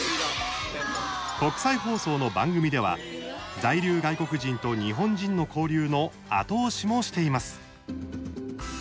国際放送の番組では在留外国人と日本人の交流の後押しもしています。